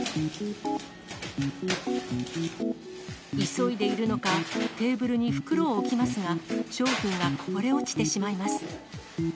急いでいるのか、テーブルに袋を置きますが、商品はこぼれ落ちてしまいます。